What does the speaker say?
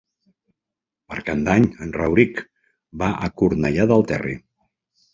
Per Cap d'Any en Rauric va a Cornellà del Terri.